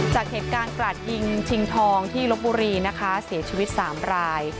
จากเหตุการณ์กราดยิงชิงทองที่ลบบุรีนะคะเสียชีวิตสามราย